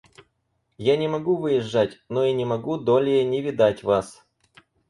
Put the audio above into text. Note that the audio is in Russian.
Я не могу выезжать, но и не могу долее не видать вас.